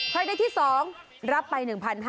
ใครได้ที่๒รับไป๑๕๐๐